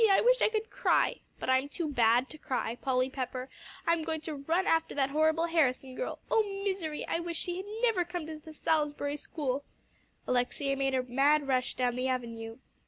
I wish I could cry. But I'm too bad to cry. Polly Pepper, I'm going to run after that horrible Harrison girl. Oh misery! I wish she never had come to the Salisbury School." Alexia made a mad rush down the avenue.